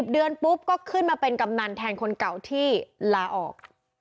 เดือนปุ๊บก็ขึ้นมาเป็นกำนันแทนคนเก่าที่ลาออก